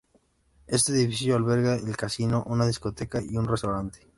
Este edificio alberga el casino, una discoteca y un restaurante.